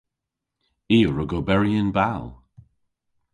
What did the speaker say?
I a wrug oberi yn bal.